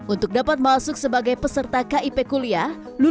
untuk dapat masuk sebagai peserta kip kuliah